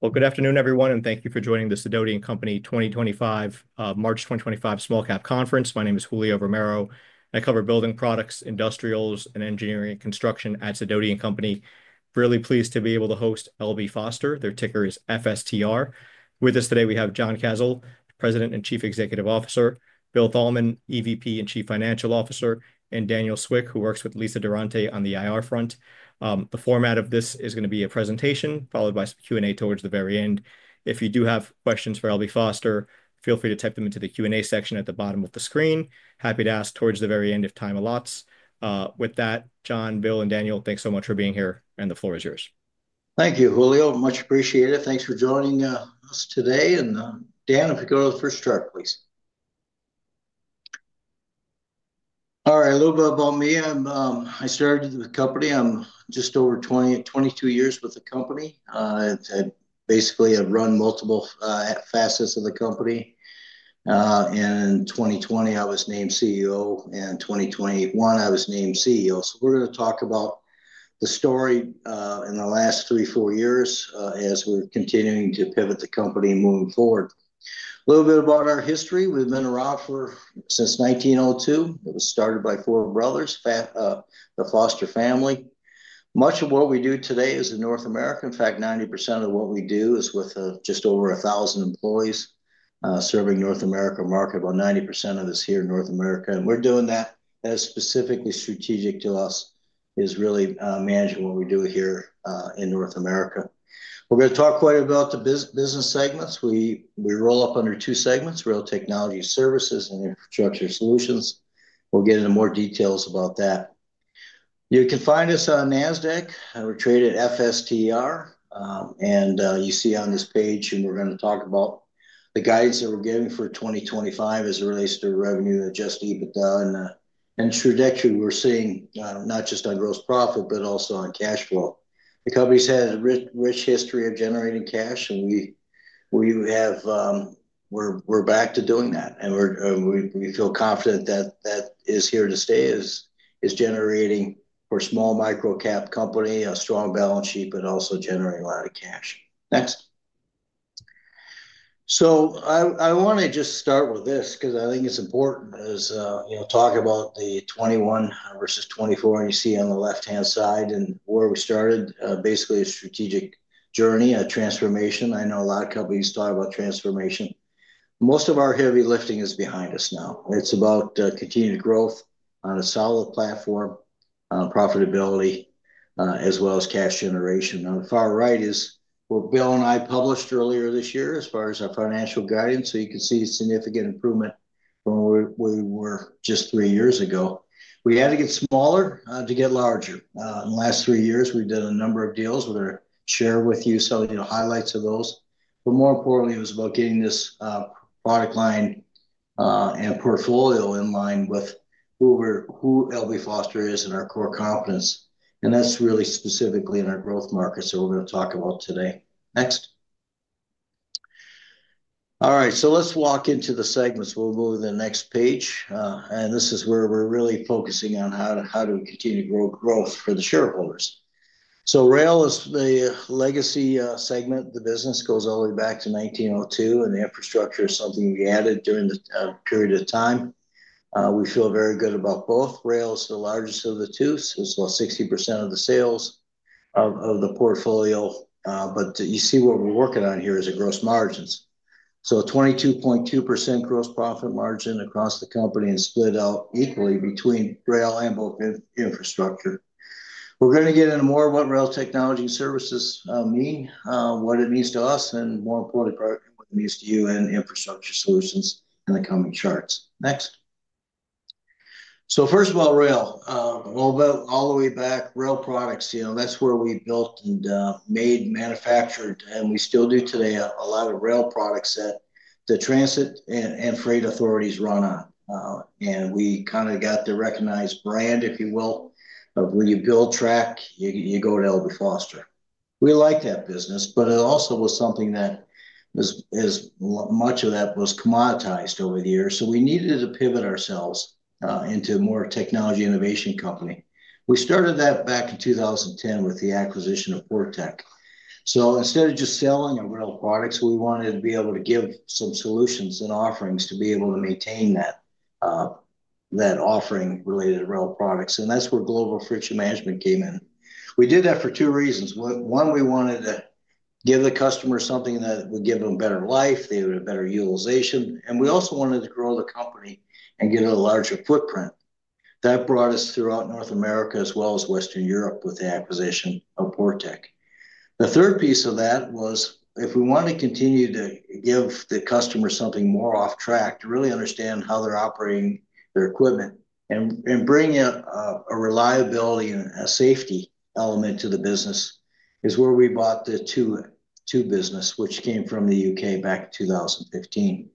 Great. Good afternoon, everyone, and thank you for joining the Sidoti & Company 2025, March 2025 Small Cap Conference. My name is Julio Romero. I cover building products, industrials, and engineering and construction at Sidoti & Company. Really pleased to be able to host L.B. Foster. Their ticker is FSTR. With us today, we have John Kasel, President and Chief Executive Officer; Will Thalman, EVP and Chief Financial Officer; and Daniel Swick, who works with Lisa Durante on the IR front. The format of this is going to be a presentation followed by some Q&A towards the very end. If you do have questions for L.B. Foster, feel free to type them into the Q&A section at the bottom of the screen. Happy to ask towards the very end if time allots. With that, John, Will, and Daniel, thanks so much for being here, and the floor is yours. Thank you, Julio. Much appreciated. Thanks for joining us today. Dan, if you go to the first chart, please. All right. A little bit about me. I started the company. I'm just over 20, 22 years with the company. It's basically I've run multiple facets of the company. In 2020, I was named CEO, and in 2021, I was named CEO. We're going to talk about the story in the last three, four years, as we're continuing to pivot the company moving forward. A little bit about our history. We've been around since 1902. It was started by four brothers, the Foster family. Much of what we do today is in North America. In fact, 90% of what we do is with just over 1,000 employees, serving the North America market, about 90% of us here in North America. We're doing that as specifically strategic to us is really managing what we do here in North America. We're going to talk quite a bit about the business segments. We roll up under two segments: Rail Technology Services and Infrastructure Solutions. We'll get into more details about that. You can find us on NASDAQ. We're traded FSTR. You see on this page, and we're going to talk about the guidance that we're giving for 2025 as it relates to revenue, adjusted EBITDA, and trajectory we're seeing, not just on gross profit, but also on cash flow. The company's had a rich history of generating cash, and we have, we're back to doing that. We feel confident that that is here to stay as is generating for small micro cap company, a strong balance sheet, but also generating a lot of cash. Next. I want to just start with this because I think it's important as, you know, talk about the 2021 versus 2024, and you see on the left-hand side and where we started, basically a strategic journey, a transformation. I know a lot of companies talk about transformation. Most of our heavy lifting is behind us now. It's about continued growth on a solid platform, profitability, as well as cash generation. On the far right is what Will and I published earlier this year as far as our financial guidance. You can see significant improvement from where we were just three years ago. We had to get smaller, to get larger. In the last three years, we've done a number of deals. We're going to share with you some of the highlights of those. But more importantly, it was about getting this product line and portfolio in line with who we are, who L.B. Foster is and our core competence. That is really specifically in our growth markets that we are going to talk about today. Next. All right. Let us walk into the segments. We will move to the next page. This is where we are really focusing on how to, how do we continue to grow growth for the shareholders. Rail is the legacy segment. The business goes all the way back to 1902, and the infrastructure is something we added during the period of time. We feel very good about both. Rail is the largest of the two. It is about 60% of the sales of the portfolio. You see what we are working on here is gross margins. 22.2% gross profit margin across the company and split out equally between rail and both infrastructure. We're going to get into more of what Rail Technology Services mean, what it means to us, and more importantly, what it means to you and Infrastructure Solutions in the coming charts. Next. First of all, rail, a little bit all the way back, rail products, you know, that's where we built and made, manufactured, and we still do today a lot of rail products that the transit and freight authorities run on. We kind of got the recognized brand, if you will, of when you build track, you go to L.B. Foster. We liked that business, but it also was something that was, as much of that was commoditized over the years. We needed to pivot ourselves into more technology innovation company. We started that back in 2010 with the acquisition of Portec. Instead of just selling our rail products, we wanted to be able to give some solutions and offerings to be able to maintain that offering related to rail products. That is where Global Friction Management came in. We did that for two reasons. One, we wanted to give the customer something that would give them better life. They would have better utilization. We also wanted to grow the company and get a larger footprint. That brought us throughout North America as well as Western Europe with the acquisition of Portec. The third piece of that was if we want to continue to give the customer something more off track to really understand how they're operating their equipment and bring a reliability and a safety element to the business is where we bought the two business, which came from the U.K. back in 2015.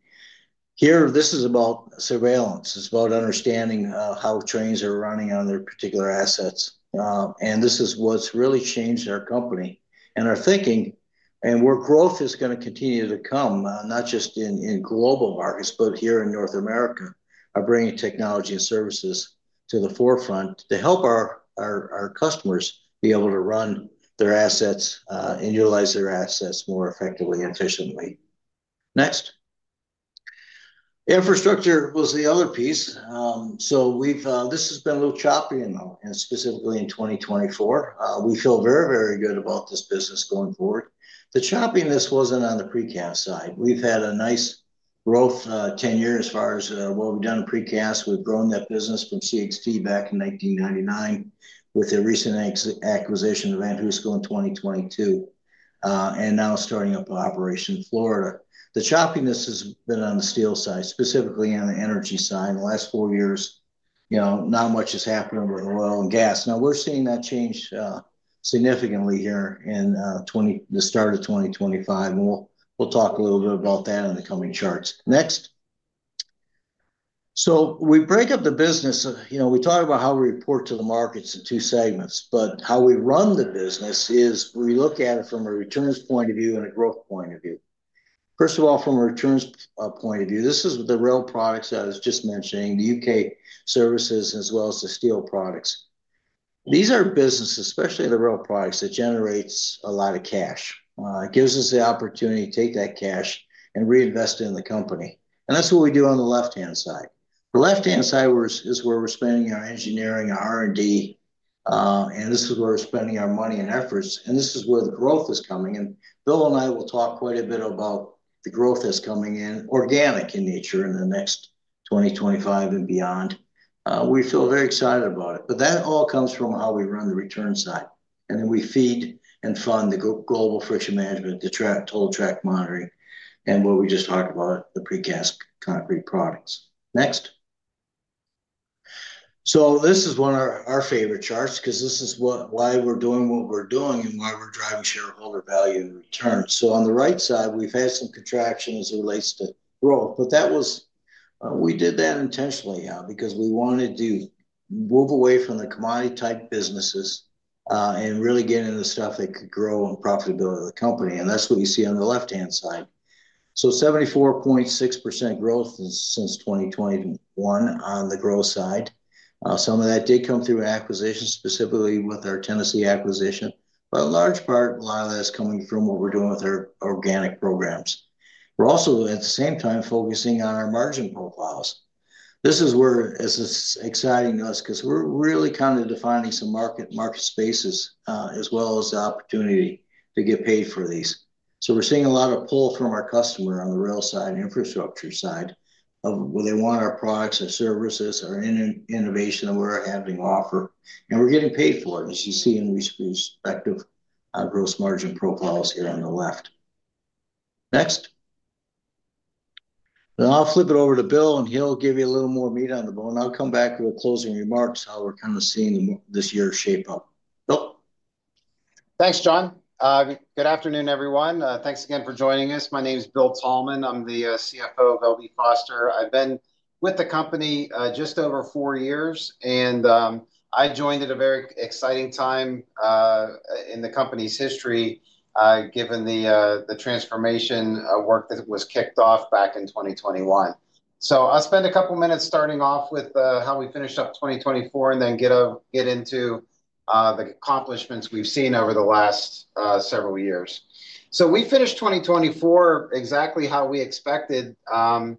Here, this is about surveillance. It's about understanding how trains are running on their particular assets. This is what's really changed our company and our thinking and where growth is going to continue to come, not just in global markets, but here in North America, bringing technology and services to the forefront to help our customers be able to run their assets and utilize their assets more effectively and efficiently. Next. Infrastructure was the other piece. We've, this has been a little choppy in specifically in 2024. We feel very, very good about this business going forward. The choppiness was not on the precast side. We have had nice growth, tenure as far as what we have done in precast. We have grown that business from CXT back in 1999 with a recent acquisition of VanHooseCo in 2022, and now starting up an operation in Florida. The choppiness has been on the steel side, specifically on the energy side. In the last four years, you know, not much has happened with oil and gas. Now we are seeing that change significantly here in 2025, the start of 2025. We will talk a little bit about that in the coming charts. Next, we break up the business. You know, we talk about how we report to the markets in two segments, but how we run the business is we look at it from a returns point of view and a growth point of view. First of all, from a returns point of view, this is the rail products that I was just mentioning, the U.K. services as well as the steel products. These are businesses, especially the rail products that generate a lot of cash. It gives us the opportunity to take that cash and reinvest it in the company. That is what we do on the left-hand side. The left-hand side is where we are spending our engineering, our R&D, and this is where we are spending our money and efforts. This is where the growth is coming. Will and I will talk quite a bit about the growth that's coming in organic in nature in the next 2025 and beyond. We feel very excited about it. That all comes from how we run the return side. We feed and fund the Global Friction Management, the track, Total Track Monitoring, and what we just talked about, the precast concrete products. Next. This is one of our favorite charts because this is what, why we're doing what we're doing and why we're driving shareholder value and return. On the right side, we've had some contraction as it relates to growth, but that was, we did that intentionally, because we wanted to move away from the commodity type businesses, and really get into stuff that could grow in profitability of the company. That's what you see on the left-hand side. 74.6% growth since 2021 on the growth side. Some of that did come through acquisition, specifically with our Tennessee acquisition. In large part, a lot of that's coming from what we're doing with our organic programs. We're also at the same time focusing on our margin profiles. This is where it's exciting to us because we're really kind of defining some market, market spaces, as well as the opportunity to get paid for these. We're seeing a lot of pull from our customer on the rail side and infrastructure side of where they want our products, our services, our innovation that we're having offer. We're getting paid for it, as you see in respect of our gross margin profiles here on the left. Next. I'll flip it over to Will, and he'll give you a little more meat on the bone. I'll come back to the closing remarks, how we're kind of seeing this year shape up. Will. Thanks, John. Good afternoon, everyone. Thanks again for joining us. My name is Will Thalman. I'm the CFO of L.B. Foster. I've been with the company just over four years, and I joined at a very exciting time in the company's history, given the transformation work that was kicked off back in 2021. I'll spend a couple of minutes starting off with how we finished up 2024 and then get into the accomplishments we've seen over the last several years. We finished 2024 exactly how we expected, in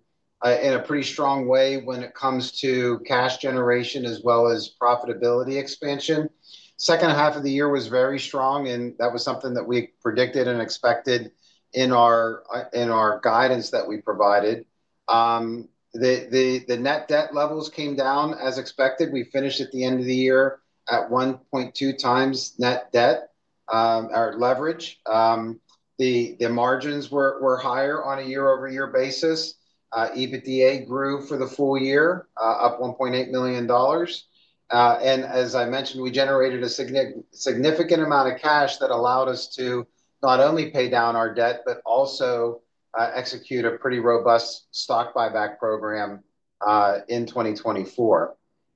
a pretty strong way when it comes to cash generation as well as profitability expansion. Second half of the year was very strong, and that was something that we predicted and expected in our guidance that we provided. The net debt levels came down as expected. We finished at the end of the year at 1.2x net debt, our leverage. The margins were higher on a year-over-year basis. EBITDA grew for the full year, up $1.8 million. As I mentioned, we generated a significant, significant amount of cash that allowed us to not only pay down our debt, but also execute a pretty robust stock buyback program in 2024.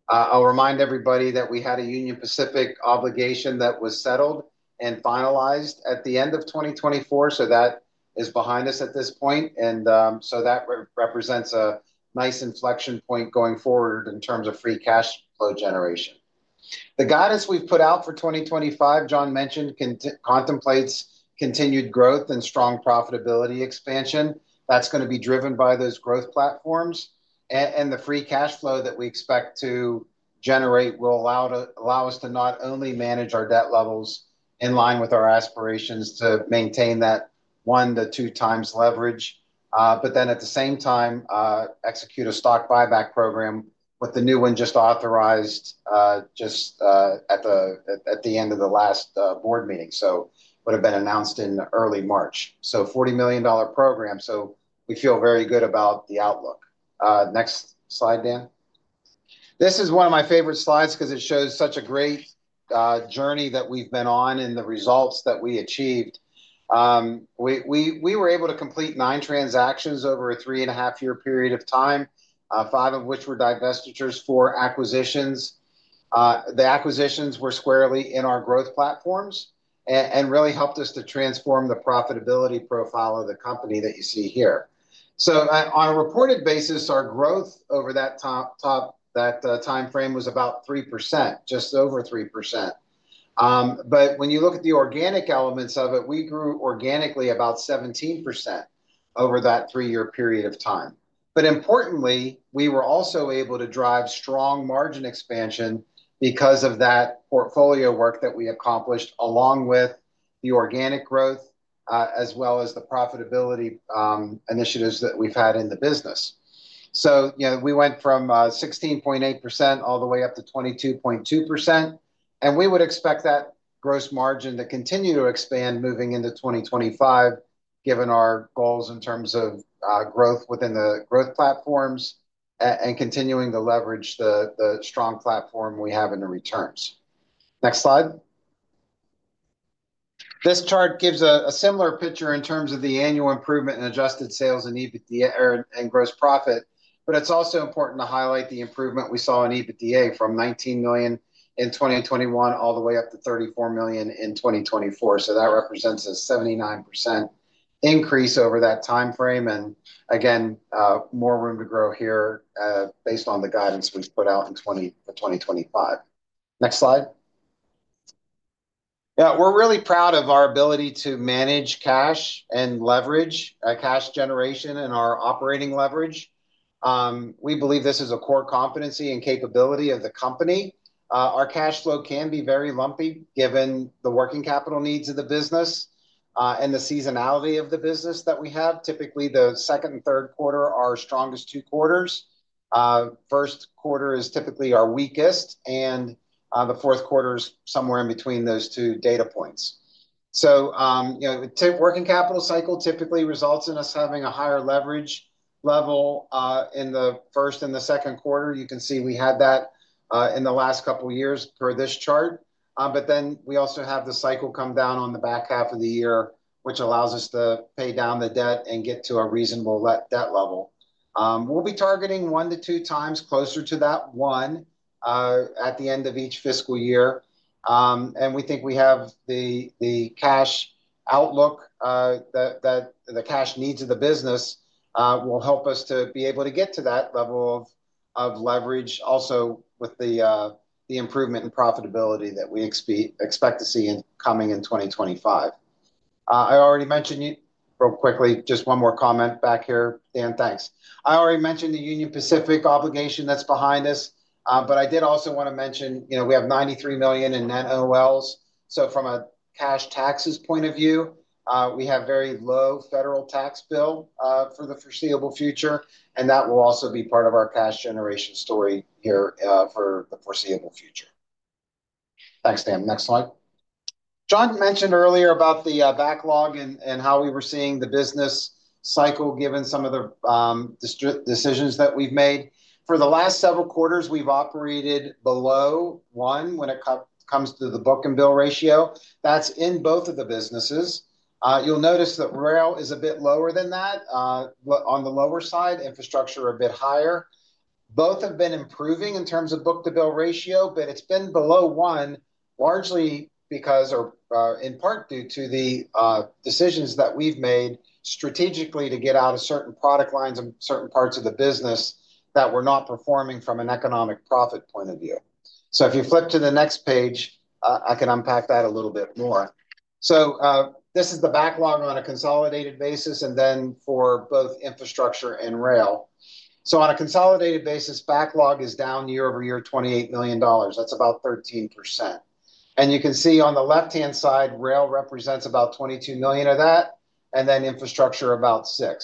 I'll remind everybody that we had a Union Pacific obligation that was settled and finalized at the end of 2024. That is behind us at this point. That represents a nice inflection point going forward in terms of free cash flow generation. The guidance we've put out for 2025, John mentioned, contemplates continued growth and strong profitability expansion. That's going to be driven by those growth platforms. The free cash flow that we expect to generate will allow us to not only manage our debt levels in line with our aspirations to maintain that one to two times leverage, but then at the same time, execute a stock buyback program with the new one just authorized, just at the end of the last board meeting. It would have been announced in early March. A $40 million program. We feel very good about the outlook. Next slide, Dan. This is one of my favorite slides because it shows such a great journey that we've been on and the results that we achieved. We were able to complete nine transactions over a three and a half year period of time, five of which were divestitures, four acquisitions. The acquisitions were squarely in our growth platforms and really helped us to transform the profitability profile of the company that you see here. On a reported basis, our growth over that top, top, that time frame was about 3%, just over 3%. When you look at the organic elements of it, we grew organically about 17% over that three-year period of time. Importantly, we were also able to drive strong margin expansion because of that portfolio work that we accomplished along with the organic growth, as well as the profitability initiatives that we've had in the business. You know, we went from 16.8% all the way up to 22.2%. We would expect that gross margin to continue to expand moving into 2025, given our goals in terms of growth within the growth platforms and continuing to leverage the strong platform we have in the returns. Next slide. This chart gives a similar picture in terms of the annual improvement in adjusted sales and EBITDA and gross profit. It is also important to highlight the improvement we saw in EBITDA from $19 million in 2021 all the way up to $34 million in 2024. That represents a 79% increase over that time frame. Again, more room to grow here, based on the guidance we have put out in 2025. Next slide. We are really proud of our ability to manage cash and leverage, cash generation and our operating leverage. We believe this is a core competency and capability of the company. Our cash flow can be very lumpy given the working capital needs of the business, and the seasonality of the business that we have. Typically, the second and third quarter are our strongest two quarters. First quarter is typically our weakest, and the fourth quarter is somewhere in between those two data points. You know, working capital cycle typically results in us having a higher leverage level in the first and the second quarter. You can see we had that in the last couple of years per this chart. We also have the cycle come down on the back half of the year, which allows us to pay down the debt and get to a reasonable debt level. We'll be targeting one to two times, closer to that one, at the end of each fiscal year. We think we have the cash outlook, that the cash needs of the business will help us to be able to get to that level of leverage also with the improvement in profitability that we expect to see coming in 2025. I already mentioned you real quickly, just one more comment back here, Dan. Thanks. I already mentioned the Union Pacific obligation that's behind us. I did also want to mention, you know, we have $93 million in net OLs. From a cash taxes point of view, we have a very low federal tax bill for the foreseeable future, and that will also be part of our cash generation story here for the foreseeable future. Thanks, Dan. Next slide. John mentioned earlier about the backlog and how we were seeing the business cycle given some of the decisions that we've made. For the last several quarters, we've operated below one when it comes to the book-to-bill ratio. That's in both of the businesses. You'll notice that rail is a bit lower than that, on the lower side. Infrastructure are a bit higher. Both have been improving in terms of book-to-bill ratio, but it's been below one largely because, or, in part due to the decisions that we've made strategically to get out of certain product lines and certain parts of the business that were not performing from an economic profit point of view. If you flip to the next page, I can unpack that a little bit more. This is the backlog on a consolidated basis, and then for both infrastructure and rail. On a consolidated basis, backlog is down year over year $28 million. That's about 13%. You can see on the left-hand side, rail represents about $22 million of that, and then infrastructure about $6 million.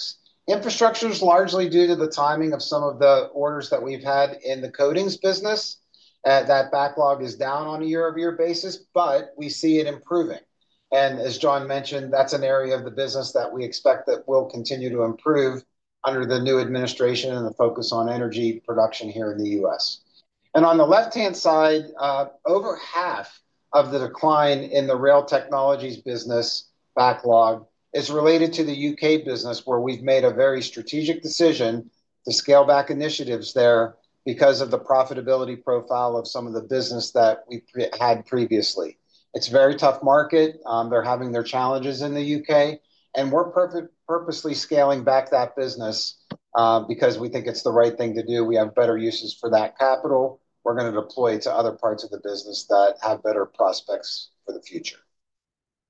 Infrastructure is largely due to the timing of some of the orders that we've had in the coatings business. That backlog is down on a year-over-year basis, but we see it improving. As John mentioned, that's an area of the business that we expect will continue to improve under the new administration and the focus on energy production here in the U.S. On the left-hand side, over half of the decline in the rail technologies business backlog is related to the U.K. business, where we've made a very strategic decision to scale back initiatives there because of the profitability profile of some of the business that we had previously. It's a very tough market. they're having their challenges in the U.K., and we're purposely scaling back that business, because we think it's the right thing to do. We have better uses for that capital. We're going to deploy it to other parts of the business that have better prospects for the future.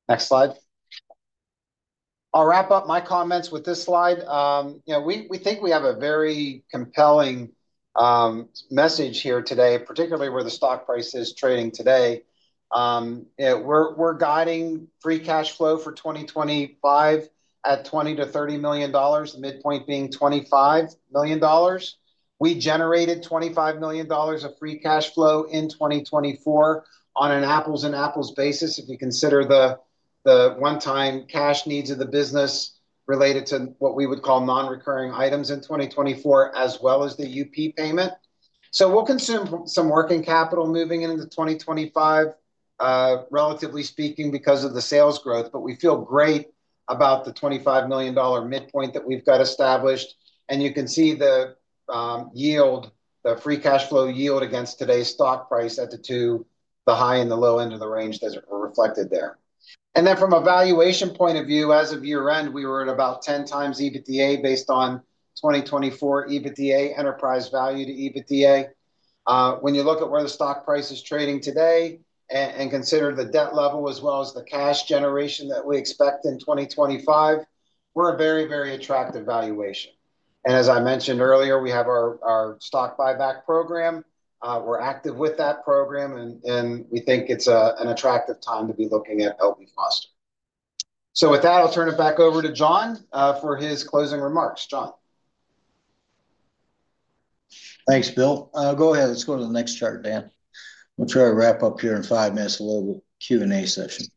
Next slide. I'll wrap up my comments with this slide. you know, we, we think we have a very compelling, message here today, particularly where the stock price is trading today. you know, we're, we're guiding free cash flow for 2025 at $20million-$30 million, midpoint being $25 million. We generated $25 million of free cash flow in 2024 on an apples-to-apples basis, if you consider the, the one-time cash needs of the business related to what we would call non-recurring items in 2024, as well as the UP payment. We'll consume some working capital moving into 2025, relatively speaking, because of the sales growth, but we feel great about the $25 million midpoint that we've got established. You can see the yield, the free cash flow yield against today's stock price at the high and the low end of the range that are reflected there. From a valuation point of view, as of year-end, we were at about 10x EBITDA based on 2024 EBITDA enterprise value to EBITDA. When you look at where the stock price is trading today and consider the debt level as well as the cash generation that we expect in 2025, we're a very, very attractive valuation. As I mentioned earlier, we have our stock buyback program. We're active with that program, and we think it's an attractive time to be looking at L.B. Foster. Foster. With that, I'll turn it back over to John for his closing remarks. John. Thanks, Will. Go ahead. Let's go to the next chart, Dan. I'm sure I'll wrap up here in five minutes with a little Q&A session.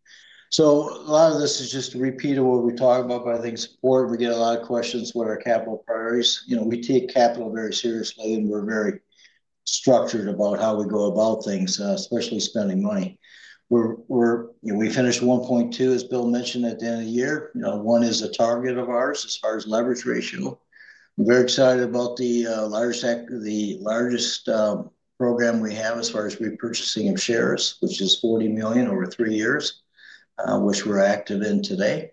A lot of this is just a repeat of what we talked about, but I think support, we get a lot of questions about our capital priorities. You know, we take capital very seriously, and we're very structured about how we go about things, especially spending money. We're, you know, we finished 1.2, as Will mentioned, at the end of the year. You know, one is a target of ours as far as leverage ratio. We're very excited about the largest, the largest program we have as far as repurchasing of shares, which is $40 million over three years, which we're active in today.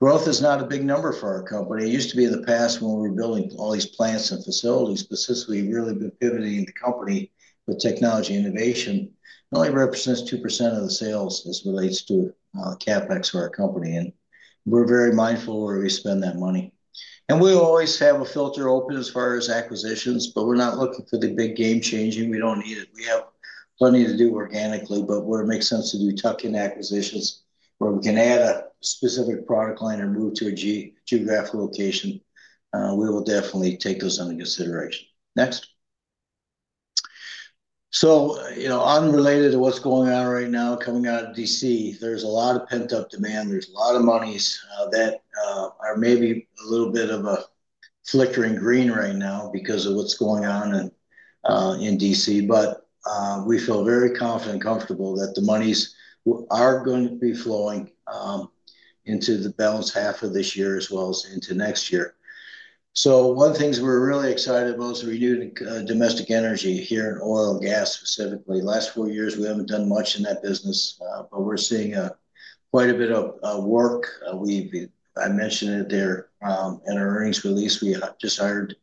Growth is not a big number for our company. It used to be in the past when we were building all these plants and facilities. Since we've really been pivoting the company with technology innovation, it only represents 2% of the sales as it relates to CapEx for our company. We're very mindful where we spend that money. We always have a filter open as far as acquisitions, but we're not looking for the big game-changing. We don't need it. We have plenty to do organically, but where it makes sense to do tuck-in acquisitions, where we can add a specific product line or move to a geographic location, we will definitely take those under consideration. You know, unrelated to what's going on right now, coming out of D.C., there's a lot of pent-up demand. There's a lot of monies that are maybe a little bit of a flickering green right now because of what's going on in D.C. We feel very confident and comfortable that the monies are going to be flowing into the balance half of this year as well as into next year. One of the things we're really excited about is renewing domestic energy here in oil and gas specifically. The last four years, we haven't done much in that business, but we're seeing quite a bit of work. I mentioned it there in our earnings release. We just hired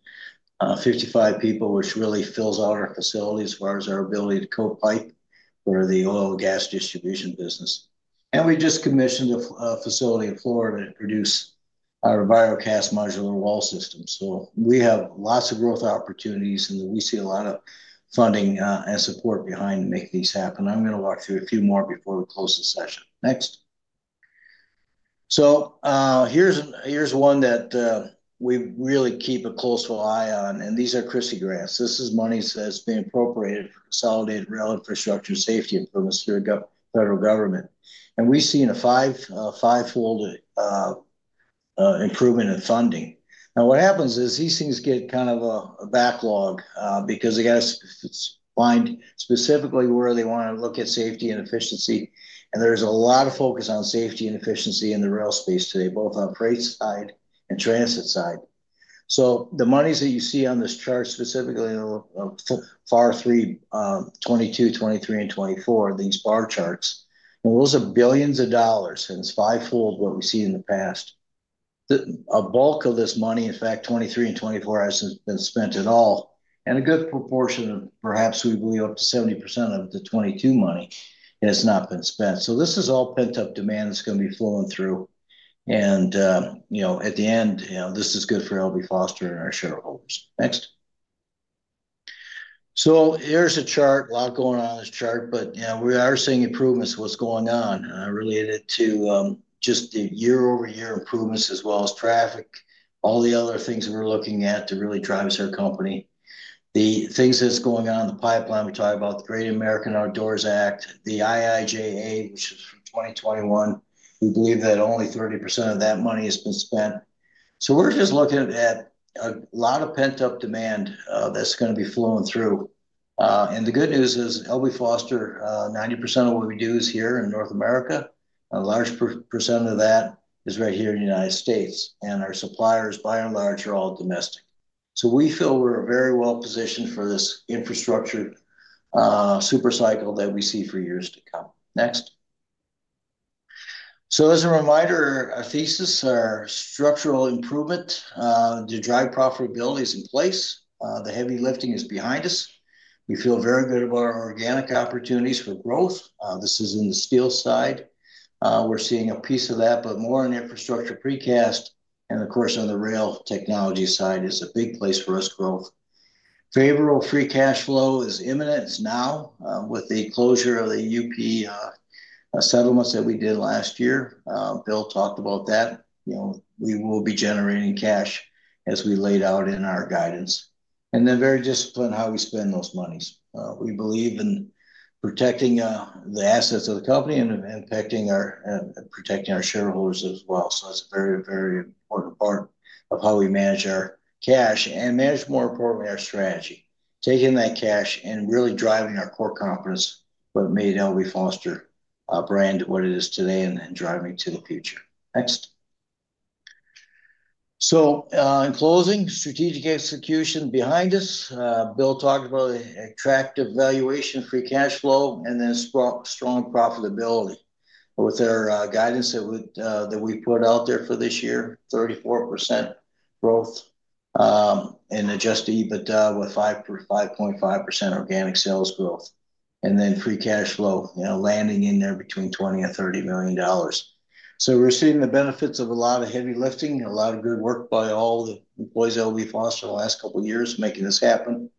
55 people, which really fills out our facility as far as our ability to co-pipe for the oil and gas distribution business. We just commissioned a facility in Florida to produce our EnviroCast modular wall system. We have lots of growth opportunities, and we see a lot of funding and support behind to make these happen. I'm going to walk through a few more before we close the session. Next. Here's one that we really keep a close eye on, and these are CRISI grants. This is monies that have been appropriated for Consolidated Rail Infrastructure and Safety Improvements for the Missouri Federal Government. We've seen a five-fold improvement in funding. What happens is these things get kind of a backlog, because they have to find specifically where they want to look at safety and efficiency. There's a lot of focus on safety and efficiency in the rail space today, both on the freight side and transit side. The monies that you see on this chart specifically in the FY 2022, 2023, and 2024, these bar charts, those are billions of dollars, and it is five-fold what we have seen in the past. The bulk of this money, in fact, 2023 and 2024, has not been spent at all. A good proportion of, perhaps we believe, up to 70% of the 2022 money has not been spent. This is all pent-up demand that is going to be flowing through. You know, at the end, you know, this is good for L.B. Foster and our shareholders. Next. Here is a chart, a lot going on on this chart, but, you know, we are seeing improvements in what is going on related to just the year-over-year improvements as well as traffic, all the other things we are looking at to really drive our company. The things that's going on in the pipeline, we talk about the Great American Outdoors Act, the IIJA, which is from 2021. We believe that only 30% of that money has been spent. We're just looking at a lot of pent-up demand, that's going to be flowing through. The good news is L.B. Foster, 90% of what we do is here in North America. A large percent of that is right here in the United States. Our suppliers, by and large, are all domestic. We feel we're very well positioned for this infrastructure supercycle that we see for years to come. Next. As a reminder, our thesis, our structural improvement, to drive profitability is in place. The heavy lifting is behind us. We feel very good about our organic opportunities for growth. This is in the steel side. We're seeing a piece of that, but more on infrastructure precast and, of course, on the rail technology side is a big place for us growth. Favorable free cash flow is imminent now, with the closure of the UP settlements that we did last year. Will talked about that. You know, we will be generating cash as we laid out in our guidance. And then very disciplined how we spend those monies. We believe in protecting the assets of the company and impacting our, protecting our shareholders as well. That's a very, very important part of how we manage our cash and manage, more importantly, our strategy, taking that cash and really driving our core confidence, what made L.B. Foster brand what it is today and then driving it to the future. Next. In closing, strategic execution behind us. Will talked about the attractive valuation, free cash flow, and then strong profitability with our guidance that we, that we put out there for this year, 34% growth, and adjusted EBITDA, with 5.5% organic sales growth. And then free cash flow, you know, landing in there between $20 million and $30 million. We're seeing the benefits of a lot of heavy lifting, a lot of good work by all the employees at L.B. Foster in the last couple of years making this happen.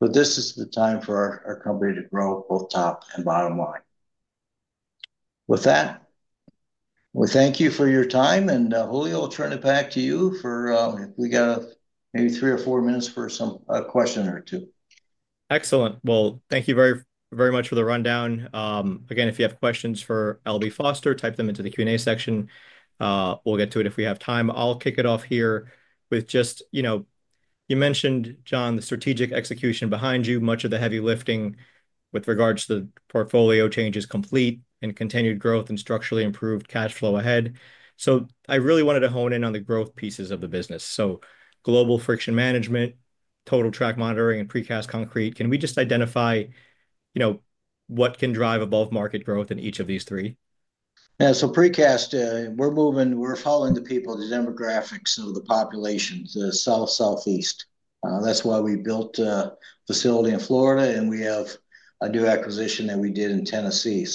This is the time for our company to grow both top and bottom line. With that, we thank you for your time, and, Julio, I'll turn it back to you for, we got maybe three or four minutes for some question or two. Excellent. Thank you very, very much for the rundown. Again, if you have questions for L.B. Foster, type them into the Q&A section. We'll get to it if we have time. I'll kick it off here with just, you know, you mentioned, John, the strategic execution behind you, much of the heavy lifting with regards to the portfolio changes complete and continued growth and structurally improved cash flow ahead. I really wanted to hone in on the growth pieces of the business. Global Friction Management, Total Track Monitoring, and Precast Concrete. Can we just identify, you know, what can drive above market growth in each of these three? Yeah. Precast, we're moving, we're following the people, the demographics of the population, the South Southeast. That's why we built a facility in Florida, and we have a new acquisition that we did in Tennessee.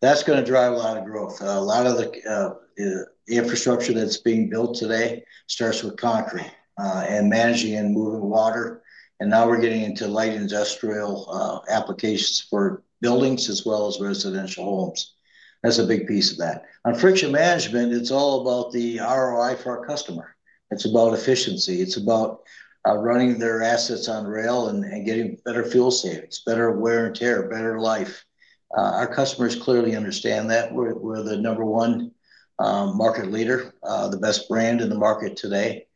That's going to drive a lot of growth. A lot of the infrastructure that's being built today starts with concrete, and managing and moving water. Now we're getting into light industrial applications for buildings as well as residential homes. That's a big piece of that. On friction management, it's all about the ROI for our customer. It's about efficiency. It's about running their assets on rail and getting better fuel savings, better wear and tear, better life. Our customers clearly understand that. We're the number one market leader, the best brand in the market today.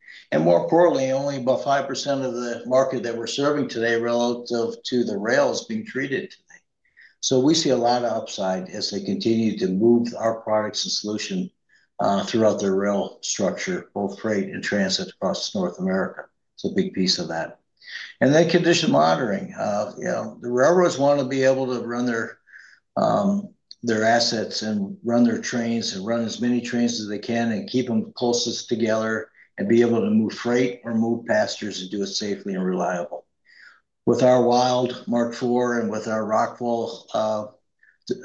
More importantly, only about 5% of the market that we're serving today relative to the rail is being treated today. We see a lot of upside as they continue to move our products and solution throughout their rail structure, both freight and transit across North America. It's a big piece of that. You know, the railroads want to be able to run their assets and run their trains and run as many trains as they can and keep them closest together and be able to move freight or move passengers and do it safely and reliably. With our Wild Mark IV and with our RockWall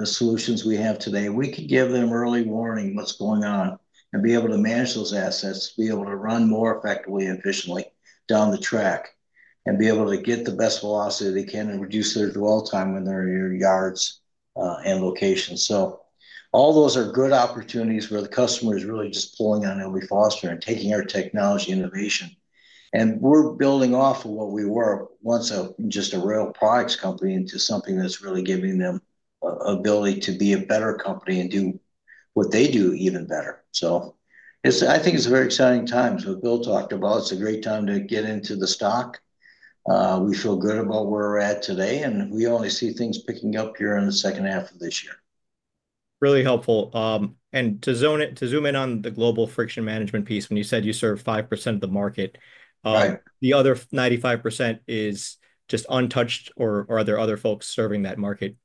Solutions we have today, we can give them early warning what's going on and be able to manage those assets, be able to run more effectively and efficiently down the track, and be able to get the best velocity they can and reduce their dwell time when they're in your yards and locations. All those are good opportunities where the customer is really just pulling on L.B. Foster and taking our technology innovation. We're building off of what we were once just a rail products company into something that's really giving them an ability to be a better company and do what they do even better. I think it's a very exciting time. Will talked about it's a great time to get into the stock. We feel good about where we're at today, and we only see things picking up here in the second half of this year. Really helpful. To zoom in on the Global Friction Management piece, when you said you serve 5% of the market, the other 95% is just untouched, or are there other folks serving that market?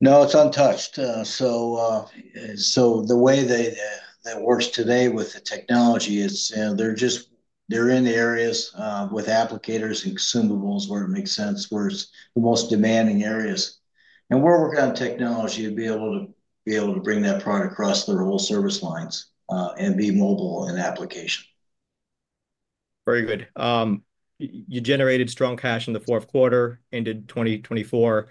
No, it's untouched. So the way that works today with the technology is, you know, they're just, they're in the areas with applicators and consumables where it makes sense, where it's the most demanding areas. And we're working on technology to be able to bring that product across the whole service lines, and be mobile in application. Very good. You generated strong cash in the fourth quarter, ended 2024,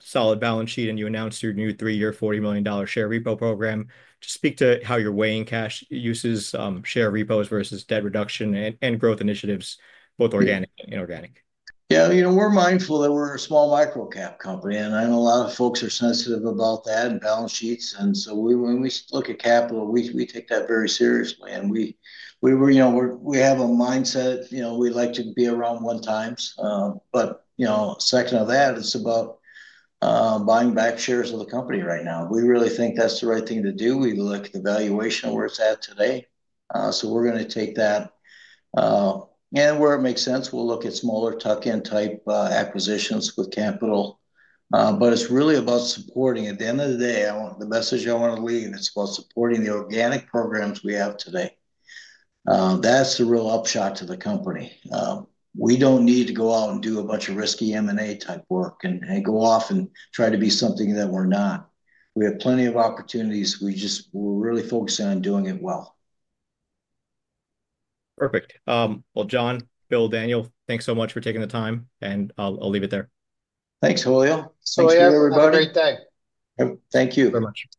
solid balance sheet, and you announced your new three-year $40 million share repo program. Just speak to how you're weighing cash uses, share repos versus debt reduction and growth initiatives, both organic and inorganic. Yeah. You know, we're mindful that we're a small micro-cap company, and I know a lot of folks are sensitive about that and balance sheets. And so we, when we look at capital, we take that very seriously. And we were, you know, we have a mindset, you know, we like to be around one times. But, you know, second of that, it's about buying back shares of the company right now. We really think that's the right thing to do. We look at the valuation of where it's at today. So we're going to take that. And where it makes sense, we'll look at smaller tuck-in type acquisitions with capital. But it's really about supporting. At the end of the day, I want the message I want to leave, it's about supporting the organic programs we have today. That's the real upshot to the company. We do not need to go out and do a bunch of risky M&A type work and go off and try to be something that we are not. We have plenty of opportunities. We just, we are really focusing on doing it well. Perfect. Well, John, Will, Daniel, thanks so much for taking the time, and I'll leave it there. Thanks, Julio. Thank you, everybody. Have a great day. Thank you very much.